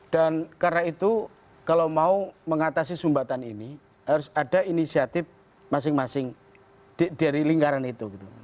dan karena itu kalau mau mengatasi sumbatan ini harus ada inisiatif masing masing dari lingkaran itu